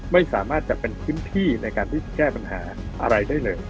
ไม่สามารถจะเป็นพื้นที่ในการที่จะแก้ปัญหาอะไรได้เลย